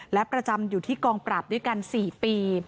และประจำอยู่ที่กองปราบด้วยกัน๔ปี